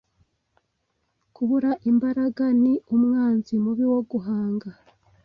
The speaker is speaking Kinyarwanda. Kubura imbaraga ni umwanzi mubi wo guhanga.